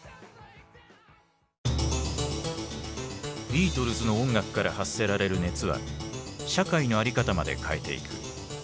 ビートルズの音楽から発せられる熱は社会の在り方まで変えていく。